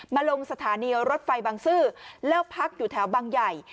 ลงสถานีรถไฟบางซื่อแล้วพักอยู่แถวบางใหญ่